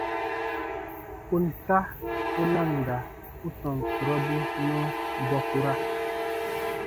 Ponta u nanda u tɔn kurɔbu nɔɔ bɔkura.